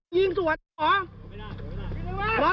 ยิงสวดเหรอ